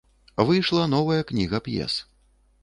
Выйшла новая кніга п'ес.